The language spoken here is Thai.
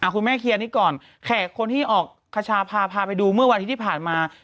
คุณแม่เคียนนี้ก่อนแขกคนที่ออกกับเมื่อวานที่ได้มที่ผ่านมา